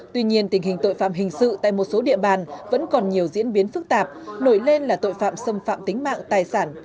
tuy nhiên tình hình tội phạm hình sự tại một số địa bàn vẫn còn nhiều diễn biến phức tạp nổi lên là tội phạm xâm phạm tính mạng tài sản